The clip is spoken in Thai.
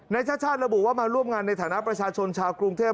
ชาติชาติระบุว่ามาร่วมงานในฐานะประชาชนชาวกรุงเทพ